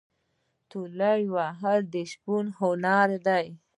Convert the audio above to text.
تولې وهل د شپون هنر دی.